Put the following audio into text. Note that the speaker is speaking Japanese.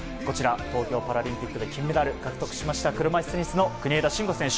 東京パラリンピックで金メダルを獲得しました車いすテニスの国枝慎吾選手。